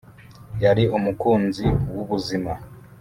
yari umukunzi wubuzima